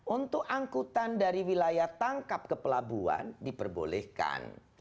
untuk angkutan dari wilayah tangkap ke pelabuhan diperbolehkan